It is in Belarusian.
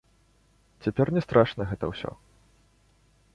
Цяпер не страшна гэта ўсё.